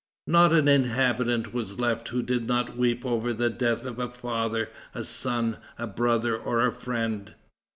Not an inhabitant was left who did not weep over the death of a father, a son, a brother or a friend."